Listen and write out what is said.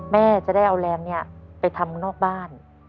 แม่จะได้เอาแรงนี้ไปทำนอกบ้าน